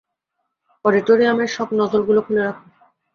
অডিটোরিয়ামের সব নজল গুলো খুলে রাখো।